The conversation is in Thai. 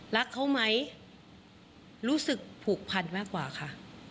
รักเขาไหมรู้สึกผูกพันมากกว่าค่ะ